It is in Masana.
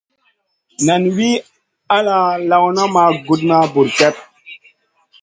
Nen wi ala lawna ma gudmaha bur kep.